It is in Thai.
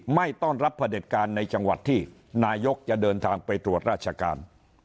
ไม่ต้อนรับพระเด็จการในจังหวัดที่นายกจะเดินทางไปตรวจราชการ